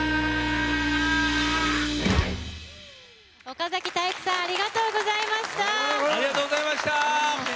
岡崎体育さんありがとうございました！